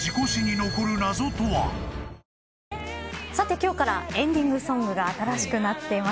今日からエンディングソングが新しくなっています。